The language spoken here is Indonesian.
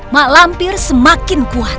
mak lampir semakin kuat